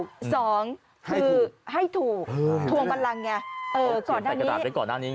๒คือให้ถูกทวงพลังอย่างนี้